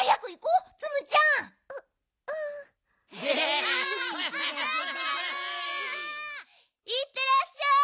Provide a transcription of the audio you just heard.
ううん。いってらっしゃい！